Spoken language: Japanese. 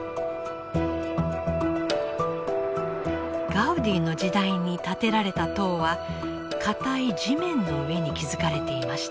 ガウディの時代に建てられた塔は固い地面の上に築かれていました。